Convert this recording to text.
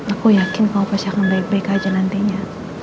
aku yakin kamu pasti akan baik baik aja nantinya